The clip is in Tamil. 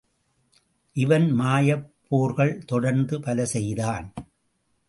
இவன் மாயப்போர்கள் தொடர்ந்து பல செய்தான்.